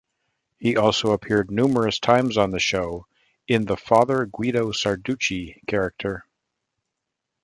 He also appeared numerous times on the show in the Father Guido Sarducci character.